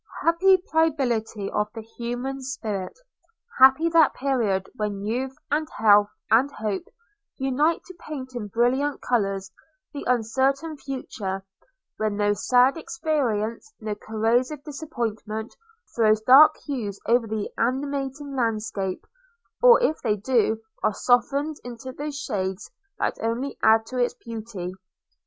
'Happy pliability of the human spirit!' Happy that period, when youth, and health, and hope, unite to paint in brilliant colours the uncertain future – when no sad experience, no corrosive disappointment, throws dark hues over the animating landscape; or, if they do, are softened into those shades that only add to its beauty!